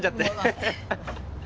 ハハハハ！